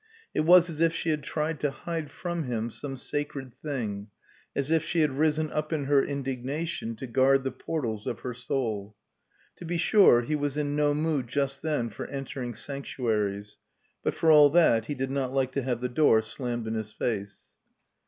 It was as if she had tried to hide from him some sacred thing as if she had risen up in her indignation to guard the portals of her soul. To be sure he was in no mood just then for entering sanctuaries; but for all that he did not like to have the door slammed in his face.